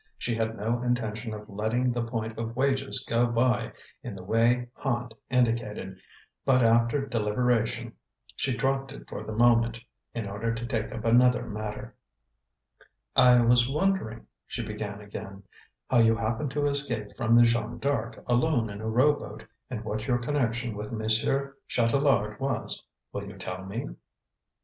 She had no intention of letting the point of wages go by in the way Hand indicated, but after deliberation she dropped it for the moment, in order to take up another matter. "I was wondering," she began again, "how you happened to escape from the Jeanne D'Arc alone in a rowboat, and what your connection with Monsieur Chatelard was. Will you tell me?"